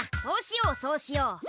そうしようそうしよう。